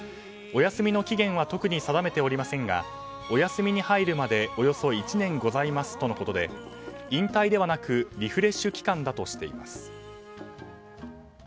お休みの期限は特に定めておりませんがお休みに入るまでおよそ１年ございますとのことで引退ではなくリフレッシュ期間だとしています。